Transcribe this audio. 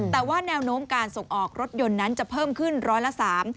แต่ว่าแนวโน้มการส่งออกรถยนต์นั้นจะเพิ่มขึ้นร้อยละสาม